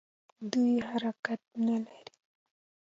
دوی حرکت نه لري.